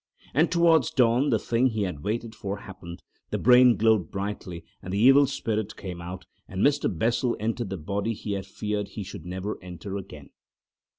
And towards dawn the thing he had waited for happened, the brain glowed brightly and the evil spirit came out, and Mr. Bessel entered the body he had feared he should never enter again.